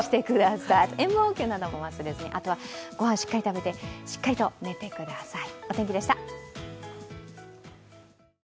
塩分補給なども忘れずにあとは御飯をしっかり食べて、しっかりと寝てください。